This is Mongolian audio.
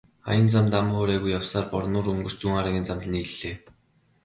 Аян замд ам хуурайгүй явсаар Борнуур өнгөрч Зүүнхараагийн замд нийллээ.